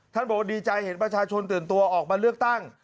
บอกว่าดีใจเห็นประชาชนตื่นตัวออกมาเลือกตั้ง